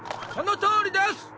そのとおりです！